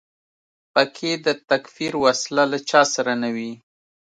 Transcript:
په کې د تکفیر وسله له چا سره نه وي.